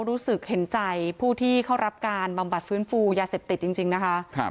รู้สึกเห็นใจผู้ที่เข้ารับการบำบัดฟื้นฟูยาเสพติดจริงนะคะ